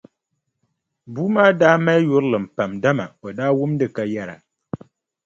Bua maa daa mali yurilim pam dama o daa wumdi ka yɛra.